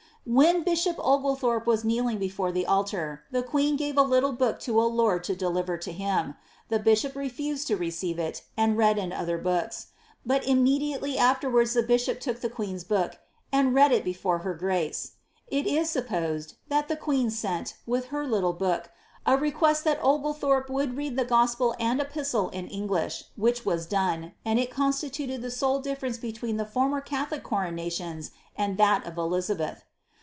When bishop Oglethorpe was kneeling before the altar, the queen gave a little book to a lord to deliver to him ; the bishop refused to r^ ceive it, and read in other hooka ; but immediately afterwards the bishop took the queen's book, "and read it before her grace." It is suppoMi^ that the queen sent, with her little book, a request that (^lethorpe would read the gospel and epistle ia English, which was done, and il constituted the sole di&rence between the former catholic coronationa and that of Elizabeth.